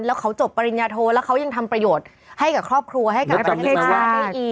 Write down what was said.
แล้วเขาจบปริญญาโทแล้วเขายังทำประโยชน์ให้กับครอบครัวให้กับประเทศชาติได้อีก